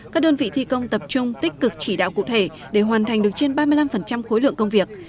các đơn vị thi công tập trung tích cực chỉ đạo cụ thể để hoàn thành được trên ba mươi năm khối lượng công việc